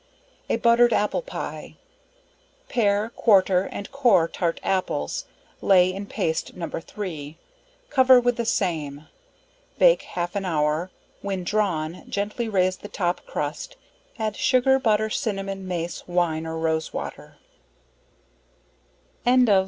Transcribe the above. A buttered apple Pie. Pare, quarter and core tart apples, lay in paste No. 3, cover with the same; bake half an hour, when drawn, gently raise the top crust, add sugar, butter, cinnamon, mace, wine or rose water q: s: PUDDINGS.